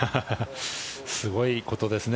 すごいことですね。